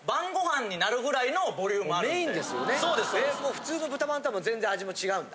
普通の豚まんとは全然味も違うんだ？